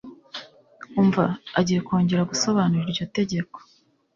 Umva! Agiye kongera gusobanura iryo tegeko.